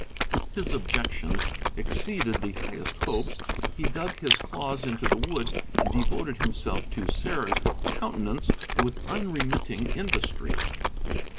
His objections exceeded the highest hopes; he dug his claws into the wood and devoted himself to Sarah's countenance with unremitting industry.